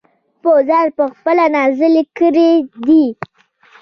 پۀ ځان پۀ خپله نازلې کړي دي -